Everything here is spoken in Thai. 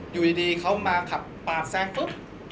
อยู่ดีเขามาขับปาดแซงปุ๊บ